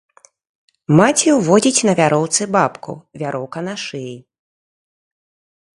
Маці ўводзіць на вяроўцы бабку, вяроўка на шыі.